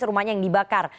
rumahnya yang dibakar